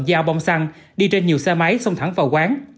dao bông xăng đi trên nhiều xe máy xông thẳng vào quán